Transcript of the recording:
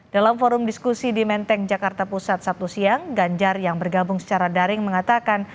dalam forum diskusi di menteng jakarta pusat sabtu siang ganjar yang bergabung secara daring mengatakan